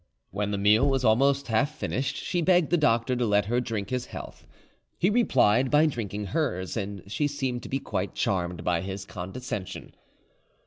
When the meal was almost half finished, she begged the doctor to let her drink his health. He replied by drinking hers, and she seemed to be quite charmed by, his condescension.